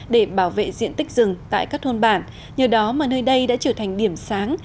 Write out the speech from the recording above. để bảo vệ diện tích rừng tại các thôn bản nhờ đó mà nơi đây đã trở thành điểm sáng